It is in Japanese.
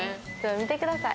見てください